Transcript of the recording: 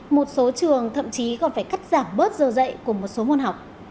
một số trường thậm chí còn phải cắt giảm bớt giờ dạy của một số môn học